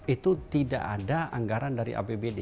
itu tidak ada anggaran dari apbd